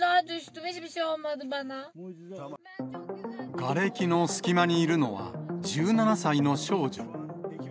がれきの隙間にいるのは、１７歳の少女。